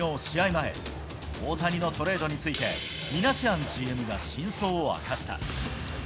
前、大谷のトレードについて、ミナシアンＧＭが真相を明かした。